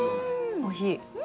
おいしい。